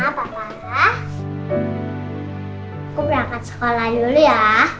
pokoknya aku berangkat sekolah dulu ya